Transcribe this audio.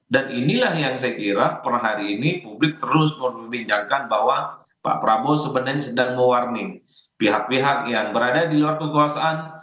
dan inilah yang saya kira per hari ini publik terus memperbincangkan bahwa pak prabowo sebenarnya sedang mewarning pihak pihak yang berada di luar kekuasaan